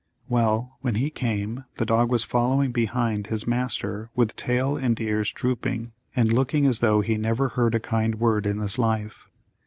Well, when he came the dog was following along behind his master with tail and ears drooping, and looking as though he never heard a kind word in his life.